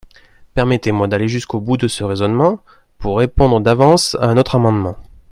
Permettez-moi d’aller jusqu’au bout de ce raisonnement, pour répondre d’avance à un autre amendement.